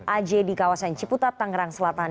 aj di kawasan ciputat tangerang selatan